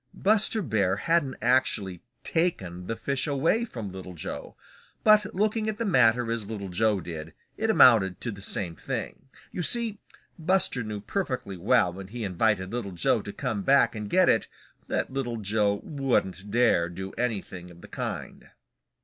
Buster Bear hadn't actually taken the fish away from Little Joe. But looking at the matter as Little Joe did, it amounted to the same thing. You see, Buster knew perfectly well when he invited Little Joe to come back and get it that Little Joe wouldn't dare do anything of the kind.